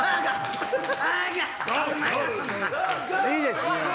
いいですね。